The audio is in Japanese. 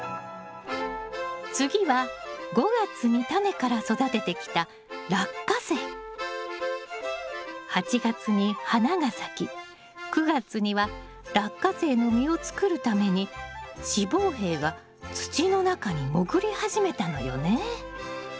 次は５月にタネから育ててきた８月に花が咲き９月にはラッカセイの実を作るために子房柄が土の中に潜り始めたのよね。